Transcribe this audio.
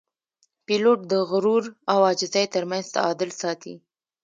پیلوټ د غرور او عاجزۍ ترمنځ تعادل ساتي.